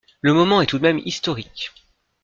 Le moment est tout de même historique.